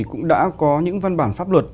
cũng đã có những văn bản pháp luật